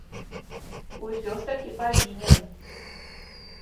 Усё ж такі павінен.